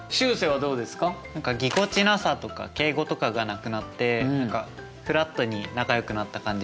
何かぎこちなさとか敬語とかがなくなって何かフラットに仲よくなった感じがします。